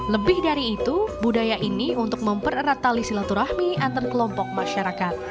lebih dari itu budaya ini untuk mempererat tali silaturahmi antar kelompok masyarakat